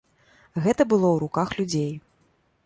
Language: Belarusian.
Гэта было ў руках людзей.